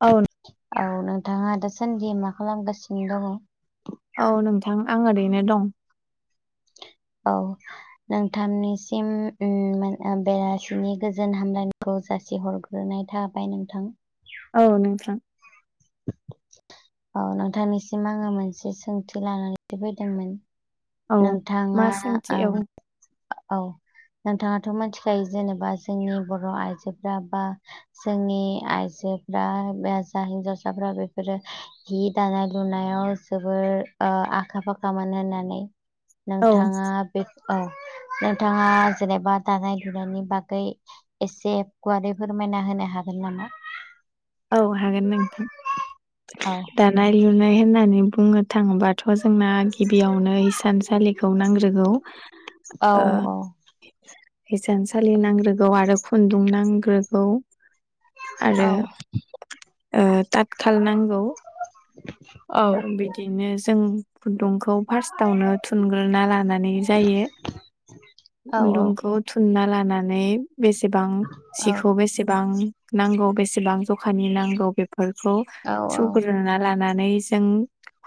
औ औ नोंथाङा दाासान्दि मा खालामगासिनो दङ औ नोंथां आं ओरैनो दं औ नोंथांनिसिम बेलासिनि गोजोन हामलायनायखौ जासिहरगोन गोनाय थाबाय नोंथां औ नोंथां औ नोंथांनिसिम आङो मोनसे सोंथि लानानैसो फैदोंमोन औ मा नोंथाङा सोंथि औ औ नोंथाङाथ' मिथिखायो जेनेबा जोंनि बर' आइजोफोरा बा जोंनि आइजोफ्रा बे जा हिनजावसाफ्रा बेफोरो हि दानाय लुनायाव जोबोर आखा फाखामोन होननानै नों औ थाङा औ नोंथाङा जेनेबा दानाय लुनायनि बागै एसे गुवारै फोरमायना होनो हागोन नामा औ हागोन नोंथां औ दानाय लुनाय होननानै बुंनो थाङोबाथ' जोंना गिबियावनो हसानसालि नांग्रोगौ औ औ हिसानसालि नांग्रोगौ आरो खुन्दुं नांग्रोगौ आरो औ ताथ खाल नांगौ औ बिदिनो जों खुन्दुं फास्तावनो थुनग्रोनना लानानै जायो औ खुन्दुंखौ थुनना लानानै बेसेबां जिखौ बेसेबां नांगौ बेसेबां जखानि नांगौ बेफोरखौ स औ औ सुगोरना लानानै जों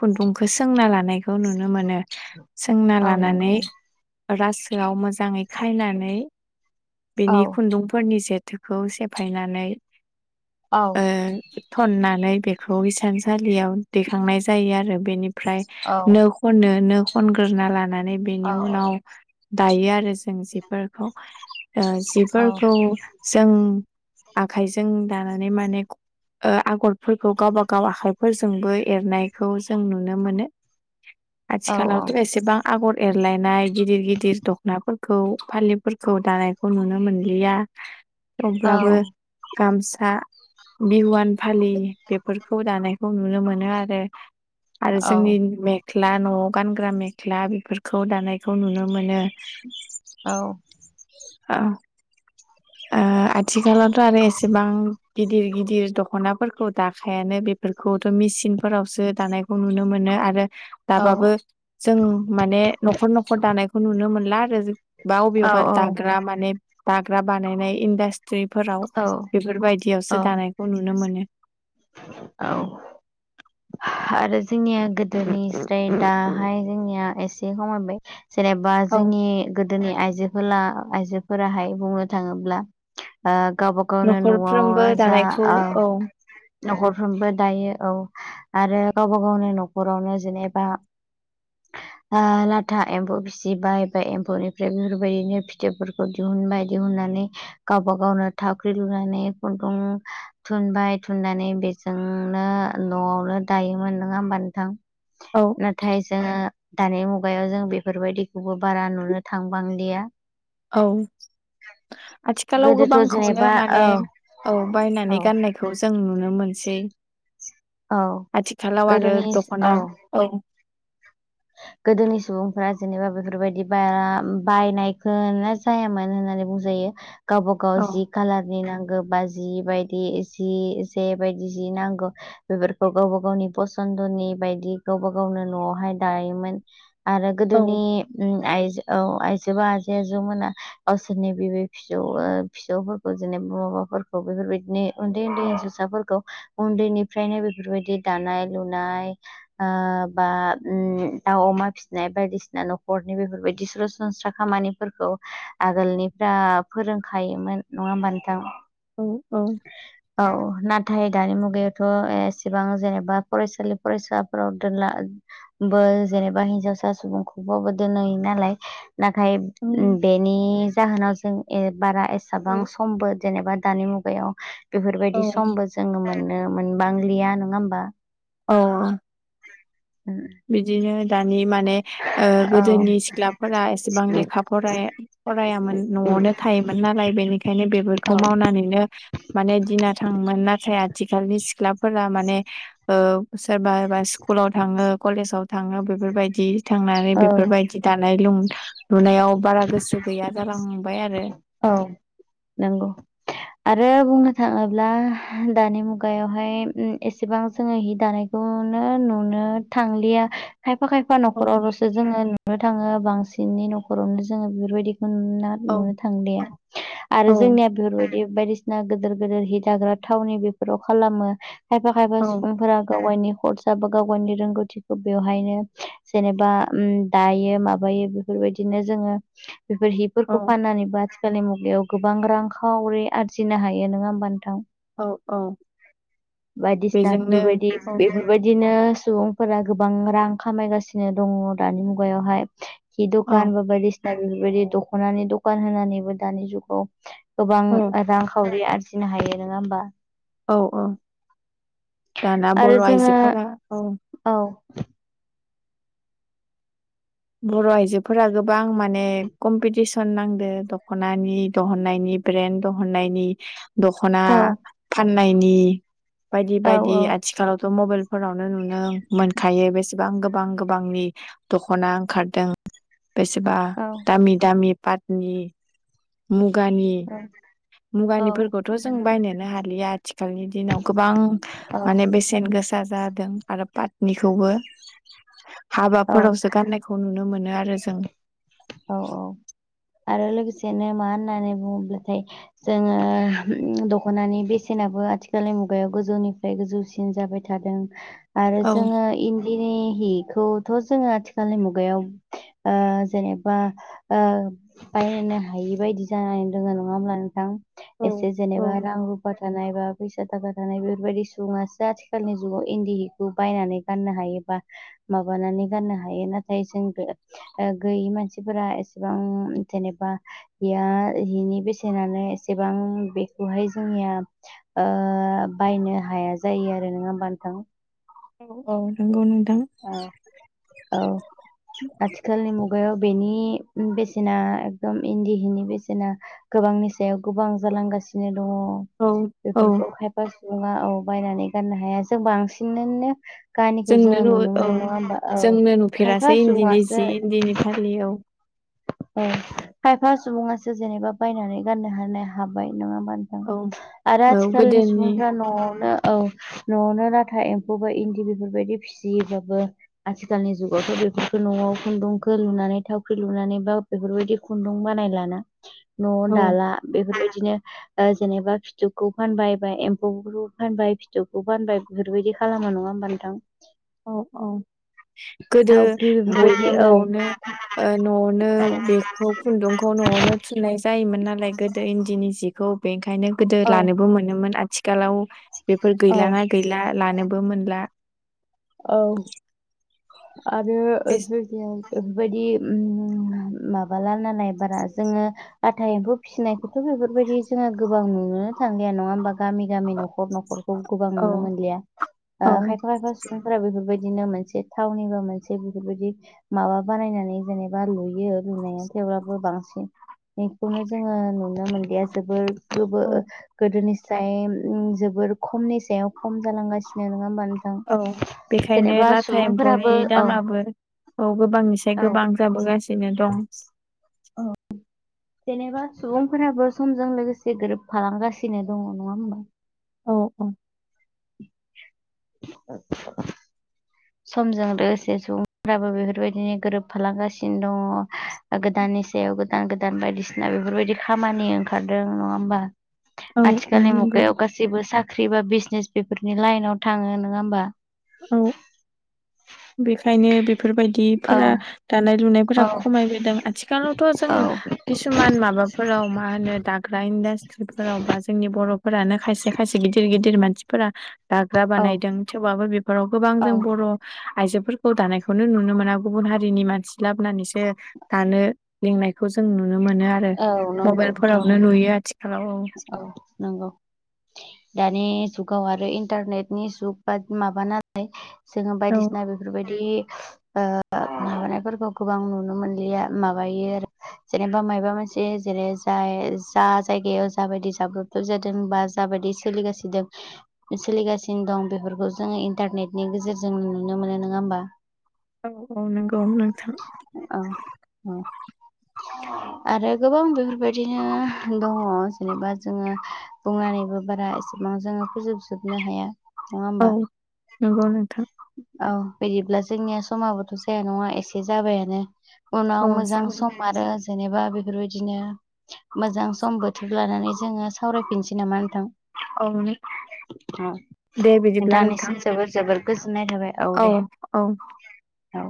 खुन्दुंखौ सोंना लानायखौ नुनो मोनो सोंना औ नंगौ लानानै रासोआव मोजाङै खायनानै औ बेनि खुन्दुंफोरनि जेथोखौ सेफायनानै औ ओ थननानै बेखौ इसानसालियाव दैखांनाय जायो आरो बेनिफ्राय औ खनोनो खनग्रोना लानानै औ बेनि उनाव दायो आरो जों जिफोरखौ औ जिफोरखौ जों आखाइजों दानानै माने आगरफोरखौ गावबा गाव आखाइफोरजोंबो एरनायखौ जों नुनो मोनो। [unintelligible] औ आथिखालावथ' एसेबा आगर एरलायनाय गिदिर गिदिर दख'नाफोरखौ फालिफोरखौ दानायखौ नुनो मोनलिया। [inaudible] अब्लाबो गामसा बिहुवान फालि बेफोरखौ दानायखौ नुनो मोनो आरो आरो जोंनि मेख्ला न'आव गानग्रा मेख्ला बेफोरखौ दानायखौ नुनो मोनो। औ। आथिखालावथ' आरो एसेबां गिदिर गिदिर दख'नाफोरखौ दाखायानो बेफोरखौथ' मेसििनफोरावसो दानाय खौ नुनो मोनो आरो औ दाबाबो जों माने न'खर न'खर दानायखौ नुनो मोनला आरो। बा अबेयावबा औ दाग्रा माने दाग्रा बानायनाय इनडास्ट्रि फ्रिफोराव औ बेफोरबायदियावसो दानायखौ नुनो मोनो। औ आरो जोंनिया गोदोनिफ्राय दाहाय जोंनिया एसे खमायबाय जेनेबा औ जोंनि गोदोनि आइजोला आइजोफोराहाय बुंनो थाङोब्ला गावबा गावनो न'आव न'खरफ्रोमबो जा दानायखौ औ न'खरफ्रोमबो दायो औ आरो गावबा गावनो न'खरावनो जेनेबा [inaudible] लाथा एम्फौ फिसिबाय बे एम्फौनिफ्राय बेफोरबायदिनो फिथोबफोरखौ दिहुनबाय दिहुननानै गावब गावनो थाखाख्रि लुनानै खुन्दुं थुनबाय फुुननानै बेजोंनो न'आवनो दायोमोन नोङा होमबा नोंथां। औ नाथाय जोङो दानि मुगायाव जों बेफोरबायदिखौबो बारा नुनो थांबांलिया। औ आथिखालाव गोदोथ' गोबांखौनो जेनेबा औ माने औ बायनानै औ गाननाय खौ जों नुनो मोनसै औ आथिखालाव आरो दख'ना औ। गोदोनि सुबुंफोरा जेनेबा बेफोरबायदि बा बायनायखौ जायामोन होननानै बुंजायो गावबा औ गाव जि कालारनि नांगौ बाजि बायदि जि एसे बायदि जि नांगौ बेफोरखौ गावबा गावनि फसन्दनि बायदि गावबा गावनो न'आवहाय दायोमोन आरो औ गोदोनि आइजो औ आइजोबोा आजै आजौमोना गावसोरनि बेब फिसौ फिसौफोरखौ जेनेबा माबाफोरखौ बेफोरबायदिनो उन्दै उन्दै हिनजावसाफोरखौ उन्दैनिफ्रायनो बेफोरबायदि दानाय लुनाय आ बा उम दाव अमा फिसिनाय बायदिसिना न'खरनि बेफोरबायदि सरासनस्रा खामानिफोरखौ आगोलनिफ्रा फोरोंखायोमोन नङा होमबा नोंथां? उम उम। औ नाथाय दानि मुगायावथ' एसेबां जेनेबा फरायसालि फरायसालिफोराव दोनला बो जेनेबा हिनजावसा सुबुंखौबाबो दोनहोयो नालाय नाथाय बे नि जाहोनाव जों बारा एसेबां समबो जेनेबा दानि मुगायाव बेफोरबायदि औ समबो जोङो मोननो मोनबांलिया नङा होमबा औ। उम बिदिनो दानि माने गोदोनि औ सिख्लाफोरा एसेबां लेखा फराय फरायामोन न'आवनो थायोमोन नालाय बेनिखायनो बेफोरखौ मावनानैनो माने दिना थाङोमोन नाथाय आथिखालनि सिख्लाफोरा माने सोरबा सोरबा स्कुलाव थाङो कलेजाव थाङो बेफोरबायदि थांनानै औ बेफोरबायदि दि दानाय ल लुनायाव बारा गोसो गैया जालांबाय आरो औ नंगौ आरो बुंनो थाङोब्ला दानि मुगायावहाय एसेबां जोङो हि दानाय बेखौनो नुनो थांलिया खायफा खायफा साफा औ न'खरावल'सो जोङो नुनो थाङो बांसिनै न'खरावनो जोङो बेफोरबायदिखौ नुना औ थांदि आरो औ जोंनिया बेफोरबायदि बायदिसिना गिदिर गिदिर हि दाग्रा थावनि बेफोराव खालामो खायफा खायफा औ सुबुंफोरा गाव गावनि हरसा बा गाव गावनि रोंगौथिखौ बेवहायनो जेनेबा दायो माबायो बेफोरबायदिनो जोङो बेफोर हि फोरफोरखौ औ फाननानैबो आथिखालनि मुगायाव गोबां रांखावरि आरजिनो हायो नोङा होमबा नोंथां औ औ बेजोंनो बायदिसिनाफोरबायदि औ बेफोर बेबायदिनो सुबुंफोरा गोबां रां खामायगासिनो दङ दानि मुगायावहाय हि औ दखान बा बायदिसिना बेफोरबायदि दख'नानि दखान होनानैबो दानि जुगाव गोबां औ रांखावरि आरजिनो हायो नङा होमबा औ औ दाना आरो बर' जोङो आइजोफोरा औ औ बर' आइजोफोरा गोबां माने कमपिटिसन नांदों दख'नानि दहननायनि ब्रेन दहुननायनि दखना औ फाननायनि बायदि औ बायदि आथिखालावथ' मबाइल फोरावनो नुनो मोनखायो बेसेबां गोबां गोबांनि दख'ना ओंखारदों बेसेबा औ दामि दामि पाटनि मुगानि औ मुगानिफोरखौथ' जों बायनोनो हालिया आथिखालनि दिनाव गोबां औ माने बेसेन गोसा फसा जादों आरो पातनिखौबो हाबाफोरावसो गाननाय बेखौ नुनो मोनो आरो जों औ औ आरो लोगोसेनो मा होननानै बुङोब्लाथाय जोङो दख'नानि बेसेनाबो आथिखालनि मुगायाव गोजौनिफ्राय गोजौसिन जाबाय थादों आरो औ जोङो इन्दिनि हिखौथ' जोङो आथिखालनि मुगायाव जेनेबा बायनो हायि बायदि जानानै दोङो नङा होमब्ला नोंथां एसे औ जेनेबा रां थानाय बा फैसा थाखा थानाय बेफोरबायदि सुबुङासो आथिखालनि जुगाव इन्दि हिखौ बायनानै गाननो हायोबा माबानानै गाननो हायो नाथाय जों गैयि मानसिफोरा एसेबां जेनेबा बेया बेनि बेसेनानो एसेबां बेखौहाय जोंनिया बायनो हाया जायो आरो नङा होमबा नोंथां औ औ नंगौ नोंथां औ औ आथिखालनि मुगायाव बेनि बेसेना एकदम इन्दि हिनि बेसेना गोबांनि सायाव गोबां जालांगासिनो दङ औ औ बेफोरखौ खायफा सुबुङा औ बायनानै गाननो हाया जों बांसिननो गानिखौ जोंनो जोङो नु नुनो औ मोनो नङा होमबा औ जोंनो खायफा नुफेरासै इन्दिनि जि सुबुङासो इन्दिनि फालि औ औ खायफा सुबुङासो जेनेबा बायनानै गाननो हानाया हाबाय नङा होनबा नो औ आरो औ आजिखालनि गोदोनि सुबुंफ्रा न'आवनो औ न'आवनो लाथा एम्फौ बा इन्दि बेफोरबायदि फिसियोब्लाबो आथिखालनि जुगावथ' बेफोरखौ न'आव खुन्दुंखौ लुनानै थावख्रि लुनानै बा बेफोरबायदि खुन्दुं बानायलाना न' औ दाला बेफोरबायदिनो जेनेबा फिथोबखौ फानबाय बा एम्फौखौ फानबाय फिथोबखौ फानबाय बेफोरबायदि खालामो नङा होमबा नोंथां औ औ गोदो थावख्रि बयबो बेफोरबायदि औ न'आवनो न'आव नो बेखौ खुन्दुंखौ न'आवनो थुननाय जायोमोन नालाय गोदो इन्दिनि जि खौ बेनिखायनो गोदो औ लानोबो मोनोमोन आथिखालाव बेफोर औ गैलाङा गैला लानोबो मोनला औ आरो बे जग ओैबायदि माबाला नालाय बारा जोङो आथा एम्फौ फिसिनायखौथ' बेफोरबायदि जोंहा गोबां नुो थ नङा हबा गामि गामि न'ख न'ख गोबां औ नुनो मोनया औ खायफा खायफा बिफांफोरा बेफोरबायदिनो मोनसे थावनिबो मोनसे बेफोरबायदि माबा बानायनानै जेनेबा लुयो लुनाया थेवब्लाबो बांसिन बेखौनो जोङो नुनो मोनदिया जोबोर गोबो औ गोदोनि सायाव जोबोर खमनि सायाव खम जालांगासिनो नङा होमबा नोंथां औ बेखायनो जेनेबा लाथा सुबुंफोराबो एम्फौनि औ दामाबो औ गोबांनिसाय गोबां जाबोगासिनो दं औ जेनेबा सुबुंफोराबो समजों लोगोसे गोरोबफालांगासिनो दङ नङा होमबा औ औ आ समजों लोगोसे सुबुंफ्राबो बेफोरबायदिनो गोरोबफालांगासिनो दङ गोदाननि सायाव गोदान गोदान बायदिसिना बेफोरबायदि खामानि ओंखारदों नङा होमबा औ औ आथिखाल म नंगौ गायाव जेबो साख्रि बा बिजनेस बेफोरनि लाइनाव थाङो नङा होमबा औ बेखायनो औ बेफोरबायदिफोरा दानाय लुनायफोरा औ खमायबोदों आथिखालावथ' जोंङ औ किसुमान माबाफोराव मा होनो दाग्रा इन्डास्ट्रिफोराव बा जोंनि बर' फोरानो खायसे खायसे गिदिर गिदिर मानसि फोर दाग्रा औ बानायदों थेवबो बेफोराव गोबां औ जों बर' आइजोफोरखौ दानायखौनो नुनो मोना गुबुन हारिनि मानसि लाबोनानैसो दानो लिंनायखौ जों नुनो मोनो आरो औ नंगौ नोंथां मबाइलफोरावनो नंगौ नुयो आथिखालाव औ औ नंगौ दानि जुगाव आरो इन्टारनेटनि जुग बा माबाना जोङो औ बायदिसिना बे बेफोरबायदि माबानायफोरखौ गोबां नुनो मोनलिया माबायो आरो जेनेबा माइबा मोन जे जेरै जाय जा जायगायाव जाबायदि जाब्रब्रब जादों बा जाबायदि सोलिगासिदों सोलिगासिनो दं बेफोरखौ जोङो इन्टारनेटनि गेजेरजों नुनो मोनो नङा होमबा औ औ नंगौ नोंथां औ आरो गोबां बेफोरबायदिनो दङ जेनेबा जोङो बुंनानैबो बारा एसेबां जोङो फोजोबजोबनो हाया नङा औ होमबा नंगौ नोंथां औ बिदिब्ला जोंनिया समाबोथ' जाया नङा एसे जाबायानो औ उनाव मोजां जागोन सम आरो जेनेबा बेफोरबायदिनो मोजां सम बोथोर लानानै जोङो सावरायफिनसै नामा नोंथां औ दे बिदिब्ला नोंथां थांनिसि जोबोर जोबोर गोजोननाय थाबाय औ दे औ